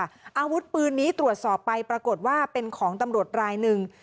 อาวุธปืนนี้ตรวจสอบไปปรากฏว่าเป็นของตำรวจรายหนึ่ง